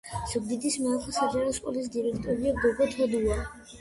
ზუგდიდის მეოთხე საჯარო სკოლის დირექტორია გოგი თოდუა